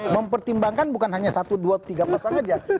mempertimbangkan bukan hanya satu dua tiga pasangan saja